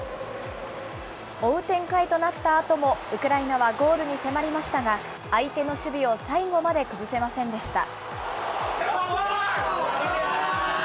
追う展開となったあとも、ウクライナはゴールに迫りましたが、相手の守備を最後まで崩せませんでした。